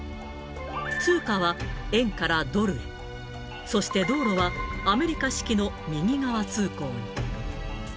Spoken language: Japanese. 通貨は円からドルへ、そして道路は、アメリカ式の右側通行に。